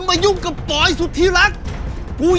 ฉันจะตัดพ่อตัดลูกกับแกเลย